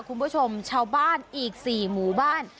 คุณผู้ชมชาวบ้านอีก๔หมู่บ้าน